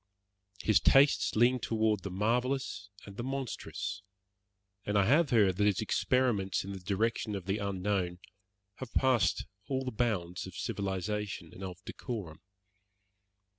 His tastes leaned toward the marvellous and the monstrous, and I have heard that his experiments in the direction of the unknown have passed all the bounds of civilization and of decorum.